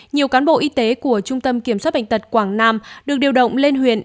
nhiều cán bộ y tế của trung tâm kiểm soát bệnh tật quảng nam được điều động lên huyện